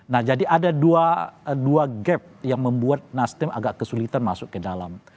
nah jadi ada dua gap yang membuat nasdem agak kesulitan masuk ke dalam